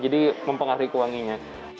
jadi mempengaruhi kewanginya